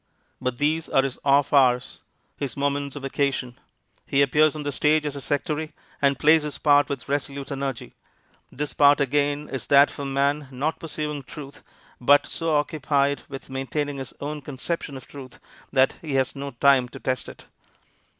But these are his off hours, his moments of vacation. He appears on the stage as a sectary, and plays his part with resolute energy. This part again is that of a man not pursuing truth, but so occupied with maintaining his own conception of truth that he has no time to test it.